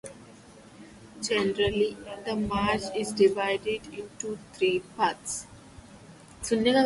Generally, the march is divided into three parts.